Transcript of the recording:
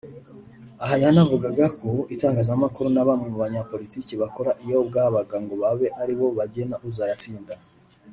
Aha yavugaga ko itangazamakuru na bamwe mu banyapolitiki bakora iyo bwabaga ngo babe ari bo bagena uzayatsinda